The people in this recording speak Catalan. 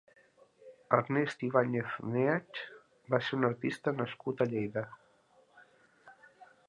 Ernest Ibàñez Neach va ser un artista nascut a Lleida.